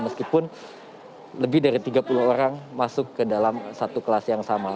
meskipun lebih dari tiga puluh orang masuk ke dalam satu kelas yang sama